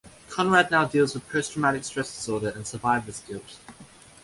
Conrad now deals with post-traumatic stress disorder and survivor's guilt.